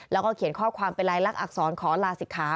แล้วก็เขียนข้อความเป็นลายลักษณอักษรขอลาศิกขา